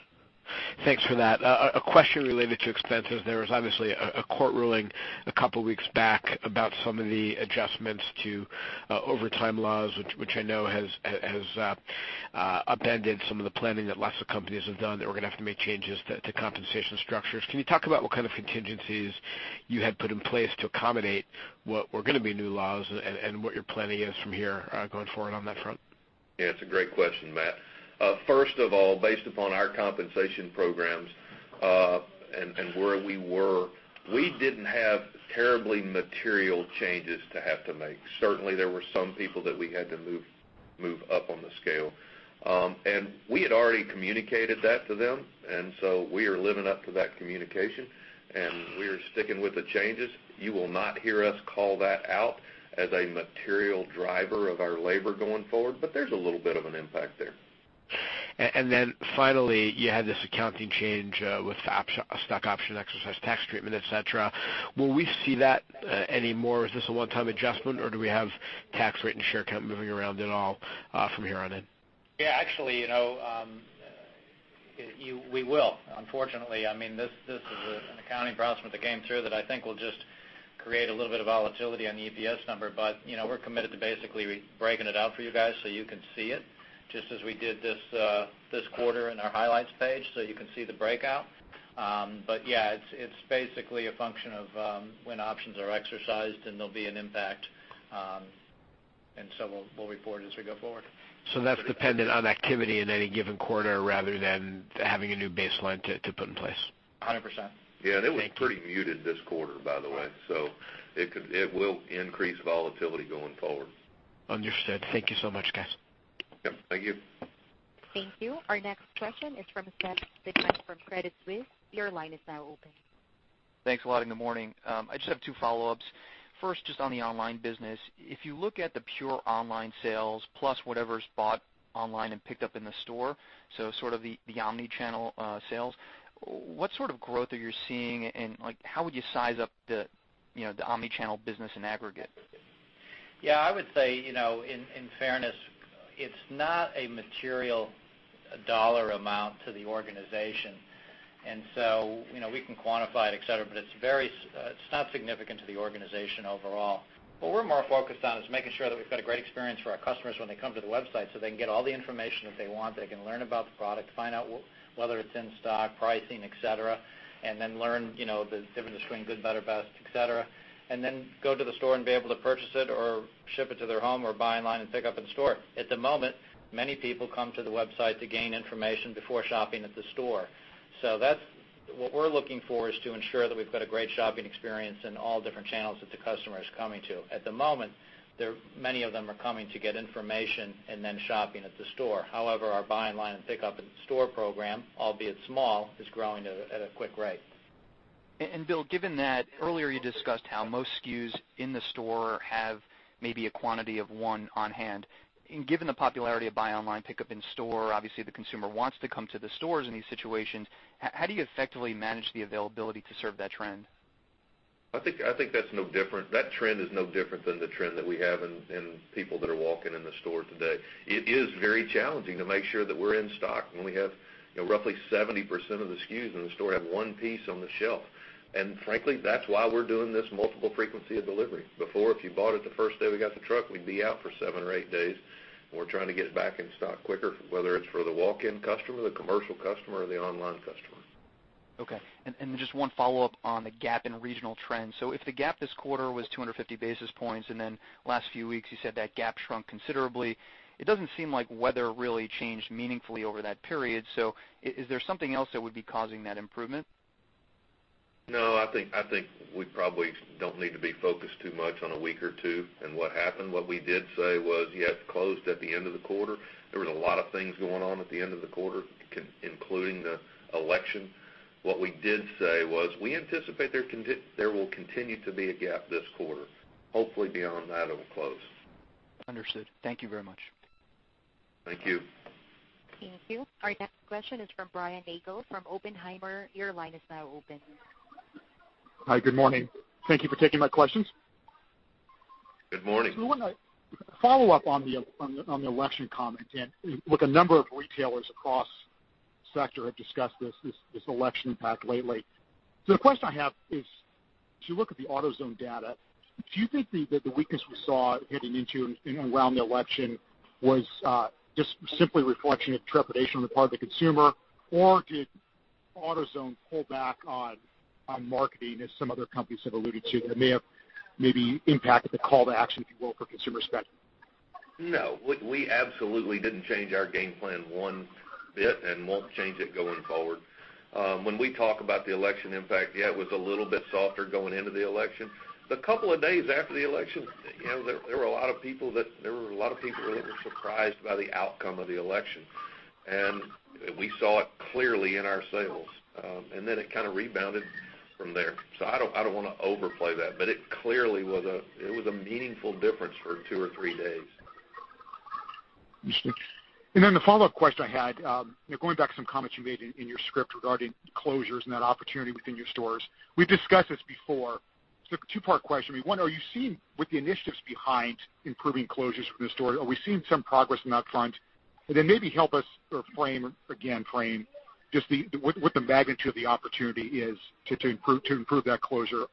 Thanks for that. A question related to expenses. There was obviously a court ruling a couple of weeks back about some of the adjustments to overtime laws, which I know has upended some of the planning that lots of companies have done, that we're going to have to make changes to compensation structures. Can you talk about what kind of contingencies you had put in place to accommodate what were going to be new laws and what your planning is from here going forward on that front? Yeah, it's a great question, Matt. First of all, based upon our compensation programs, and where we were, we didn't have terribly material changes to have to make. Certainly, there were some people that we had to move up on the scale. We had already communicated that to them, and so we are living up to that communication, and we are sticking with the changes. You will not hear us call that out as a material driver of our labor going forward, but there's a little bit of an impact there. Finally, you had this accounting change with stock option exercise tax treatment, et cetera. Will we see that anymore? Is this a one-time adjustment, or do we have tax rate and share count moving around at all from here on in? Yeah, actually, we will. Unfortunately, this is an accounting pronouncement that came through that I think will just create a little bit of volatility on the EPS number, but we're committed to basically breaking it out for you guys so you can see it, just as we did this quarter in our highlights page, so you can see the breakout. Yeah, it's basically a function of when options are exercised, and there'll be an impact. We'll report as we go forward. That's dependent on activity in any given quarter rather than having a new baseline to put in place. 100%. Yeah. Thank you. It was pretty muted this quarter, by the way. It will increase volatility going forward. Understood. Thank you so much, guys. Yep, thank you. Thank you. Our next question is from Seth Basham from Credit Suisse. Your line is now open. Thanks a lot, good morning. I just have two follow-ups. First, just on the online business. If you look at the pure online sales plus whatever's bought online and picked up in the store, so sort of the omni-channel sales, what sort of growth are you seeing, and how would you size up the omni-channel business in aggregate? Yeah, I would say, in fairness, it's not a material dollar amount to the organization. We can quantify it, et cetera, but it's not significant to the organization overall. What we're more focused on is making sure that we've got a great experience for our customers when they come to the website so they can get all the information that they want, they can learn about the product, find out whether it's in stock, pricing, et cetera, and then learn the difference between good, better, best, et cetera, and then go to the store and be able to purchase it or ship it to their home or buy online and pick up in store. At the moment, many people come to the website to gain information before shopping at the store. What we're looking for is to ensure that we've got a great shopping experience in all different channels that the customer is coming to. At the moment, many of them are coming to get information and then shopping at the store. However, our buy online and pickup in store program, albeit small, is growing at a quick rate. Bill, given that earlier you discussed how most SKUs in the store have maybe a quantity of one on hand. Given the popularity of buy online, pickup in store, obviously the consumer wants to come to the stores in these situations, how do you effectively manage the availability to serve that trend? I think that trend is no different than the trend that we have in people that are walking in the store today. It is very challenging to make sure that we're in stock when we have roughly 70% of the SKUs in the store have one piece on the shelf. Frankly, that's why we're doing this multiple frequency of delivery. Before, if you bought it the first day we got the truck, we'd be out for seven or eight days. We're trying to get back in stock quicker, whether it's for the walk-in customer, the commercial customer, or the online customer. Okay. Just one follow-up on the gap in regional trends. If the gap this quarter was 250 basis points, and then last few weeks, you said that gap shrunk considerably. It doesn't seem like weather really changed meaningfully over that period. Is there something else that would be causing that improvement? No, I think we probably don't need to be focused too much on a week or two and what happened. What we did say was, yeah, it closed at the end of the quarter. There was a lot of things going on at the end of the quarter, including the election. What we did say was, we anticipate there will continue to be a gap this quarter. Hopefully, beyond that, it will close. Understood. Thank you very much. Thank you. Thank you. Our next question is from Brian Nagel from Oppenheimer. Your line is now open. Hi, good morning. Thank you for taking my questions. Good morning. I want to follow up on the election comment. Look, a number of retailers across sector have discussed this election impact lately. The question I have is As you look at the AutoZone data, do you think that the weakness we saw heading into and around the election was just simply a reflection of trepidation on the part of the consumer? Or did AutoZone pull back on marketing, as some other companies have alluded to, that may have maybe impacted the call to action, if you will, for consumer spend? No. We absolutely didn't change our game plan one bit and won't change it going forward. When we talk about the election impact, yeah, it was a little bit softer going into the election. The couple of days after the election, there were a lot of people that were surprised by the outcome of the election, and we saw it clearly in our sales. It kind of rebounded from there. I don't want to overplay that, but it clearly was a meaningful difference for two or three days. Interesting. The follow-up question I had, going back to some comments you made in your script regarding closures and that opportunity within your stores. We've discussed this before. Two-part question. One, are you seeing with the initiatives behind improving closures from the store, are we seeing some progress on that front? Maybe help us or frame, again, just what the magnitude of the opportunity is to improve that closure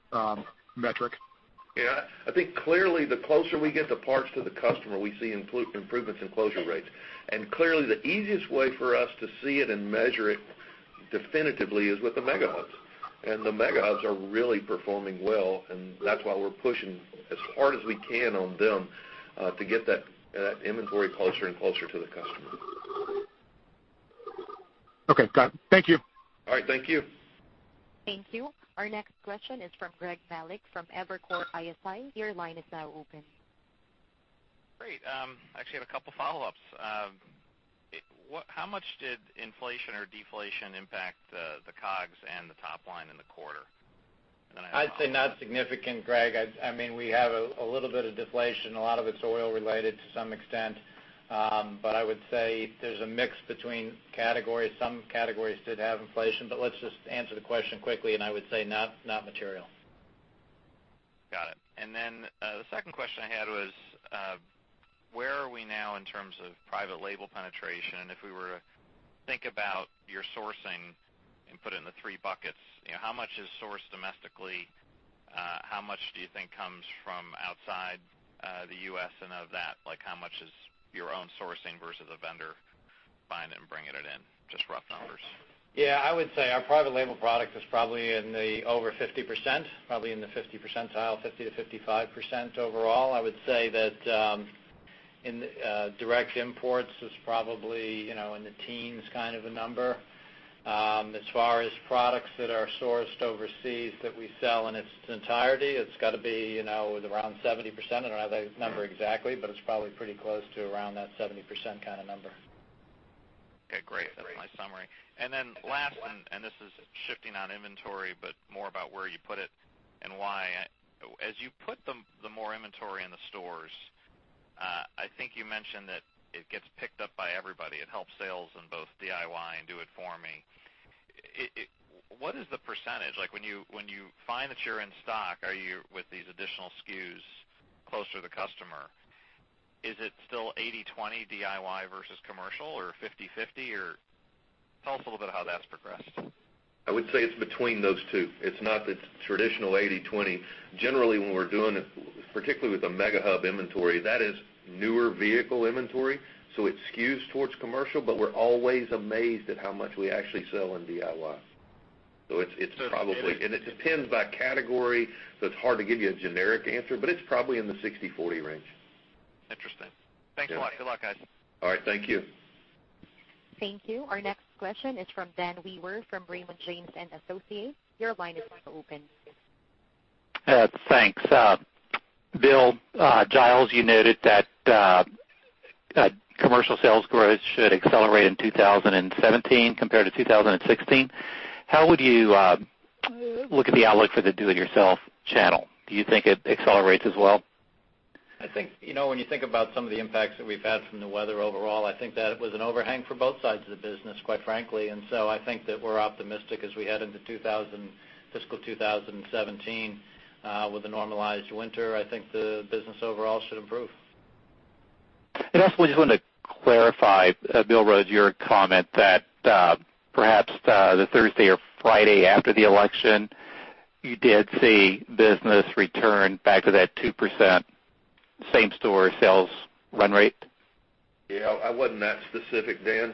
metric. Yeah, I think clearly the closer we get the parts to the customer, we see improvements in closure rates. Clearly the easiest way for us to see it and measure it definitively is with the Mega Hubs. The Mega Hubs are really performing well, and that's why we're pushing as hard as we can on them to get that inventory closer and closer to the customer. Okay, got it. Thank you. All right, thank you. Thank you. Our next question is from Greg Melich from Evercore ISI. Your line is now open. Great. I actually have a couple of follow-ups. How much did inflation or deflation impact the COGS and the top line in the quarter? I'd say not significant, Greg. We have a little bit of deflation. A lot of it's oil related to some extent. I would say there's a mix between categories. Some categories did have inflation. Let's just answer the question quickly, and I would say not material. Got it. The second question I had was, where are we now in terms of private label penetration? If we were to think about your sourcing and put it into three buckets, how much is sourced domestically? How much do you think comes from outside the U.S.? Of that, how much is your own sourcing versus a vendor finding it and bringing it in? Just rough numbers. I would say our private label product is probably in the over 50%, probably in the 50 percentile, 50%-55% overall. I would say that in direct imports, it's probably in the teens kind of a number. As far as products that are sourced overseas that we sell in its entirety, it's got to be around 70%. I don't know the number exactly, but it's probably pretty close to around that 70% kind of number. Okay, great. That's a nice summary. Last one, this is shifting on inventory, but more about where you put it and why. As you put the more inventory in the stores, I think you mentioned that it gets picked up by everybody. It helps sales in both DIY and do it for me. What is the percentage? When you find that you're in stock with these additional SKUs closer to the customer, is it still 80/20 DIY versus commercial or 50/50 or? Tell us a little bit how that's progressed. I would say it's between those two. It's not the traditional 80/20. Generally, when we're doing it, particularly with the Mega Hub inventory, that is newer vehicle inventory, so it skews towards commercial, but we're always amazed at how much we actually sell in DIY. It depends by category, so it's hard to give you a generic answer, but it's probably in the 60/40 range. Interesting. Thanks a lot. Good luck, guys. All right. Thank you. Thank you. Our next question is from Dan Wewer from Raymond James & Associates. Your line is now open. Thanks. Bill Giles, you noted that commercial sales growth should accelerate in 2017 compared to 2016. How would you look at the outlook for the do it yourself channel? Do you think it accelerates as well? I think when you think about some of the impacts that we've had from the weather overall, I think that it was an overhang for both sides of the business, quite frankly. I think that we're optimistic as we head into fiscal 2017 with a normalized winter. I think the business overall should improve. I just wanted to clarify, Bill Rhodes, your comment that perhaps the Thursday or Friday after the election, you did see business return back to that 2% same-store sales run rate? Yeah, I wasn't that specific, Dan.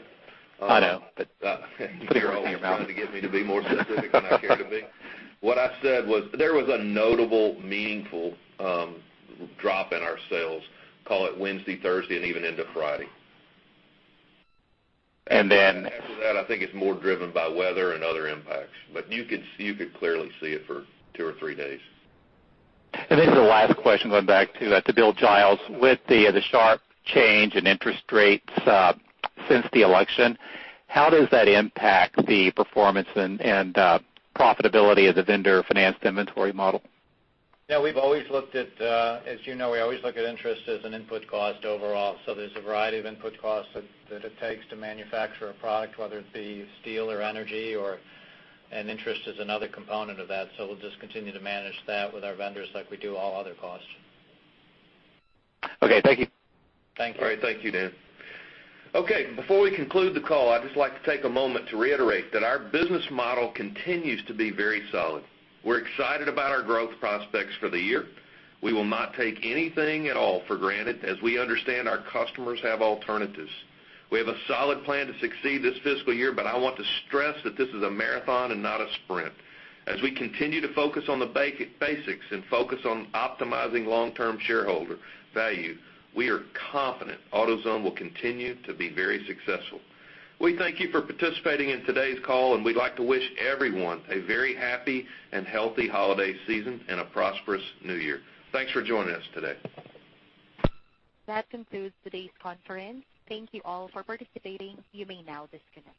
I know. I'm putting words in your mouth. You're always trying to get me to be more specific than I care to be. What I said was there was a notable, meaningful drop in our sales, call it Wednesday, Thursday, and even into Friday. And then- After that, I think it's more driven by weather and other impacts. You could clearly see it for two or three days. The last question, going back to Bill Giles, with the sharp change in interest rates since the election, how does that impact the performance and profitability of the vendor-financed inventory model? As you know, we always look at interest as an input cost overall. There's a variety of input costs that it takes to manufacture a product, whether it be steel or energy, and interest is another component of that. We'll just continue to manage that with our vendors like we do all other costs. Okay. Thank you. Thank you. All right. Thank you, Dan. Before we conclude the call, I'd just like to take a moment to reiterate that our business model continues to be very solid. We're excited about our growth prospects for the year. We will not take anything at all for granted as we understand our customers have alternatives. We have a solid plan to succeed this fiscal year, I want to stress that this is a marathon and not a sprint. We continue to focus on the basics and focus on optimizing long-term shareholder value, we are confident AutoZone will continue to be very successful. We thank you for participating in today's call, and we'd like to wish everyone a very happy and healthy holiday season and a prosperous new year. Thanks for joining us today. That concludes today's conference. Thank you all for participating. You may now disconnect.